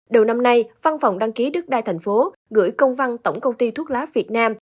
đầu năm nay văn phòng đăng ký đất đai thành phố gửi công văn tổng công ty thuốc lá việt nam